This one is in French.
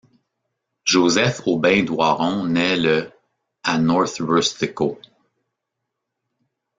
Joseph Aubin Doiron naît le à North Rustico.